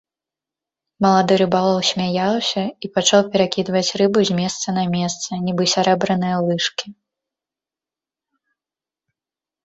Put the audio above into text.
Малады рыбалоў смяяўся і пачаў перакідваць рыбу з месца на месца, нібы сярэбраныя лыжкі.